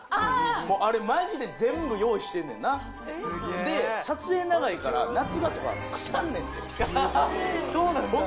あれマジで全部用意してんねんなで撮影長いから夏場とか腐んねんてそうなんだ